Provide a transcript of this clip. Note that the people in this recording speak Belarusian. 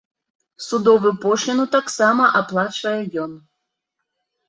Судовую пошліну таксама аплачвае ён.